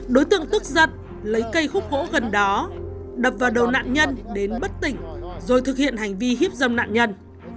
đối tượng tức giận lấy cây khúc gỗ gần đó đập vào đầu nạn nhân đến bất tỉnh rồi thực hiện hành vi hiếp dâm nạn nhân